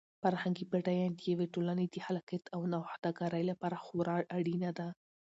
فرهنګي بډاینه د یوې ټولنې د خلاقیت او د نوښتګرۍ لپاره خورا اړینه ده.